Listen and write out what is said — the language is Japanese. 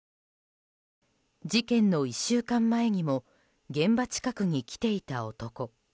事件の１週間前にも現場近くに来ていた男。